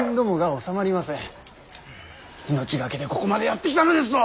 命懸けでここまでやってきたのですぞ！